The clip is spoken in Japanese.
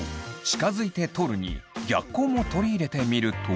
近づいて撮るに逆光も取り入れてみると。